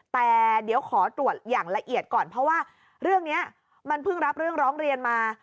แต่เดี๋ยวขอตรวจอย่างละเอียดก่อนเพราะว่าเรื่องนี้มันเพิ่งรับเรื่องร้องเรียนมา